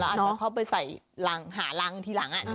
แล้วอาจจะเข้าไปใส่หารังทีหลังอ่ะรู้ไหม